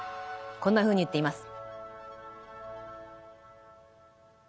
こんなふうに言っています。